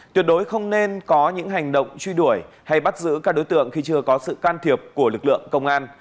tuyệt đối không nên có những hành động truy đuổi hay bắt giữ các đối tượng khi chưa có sự can thiệp của lực lượng công an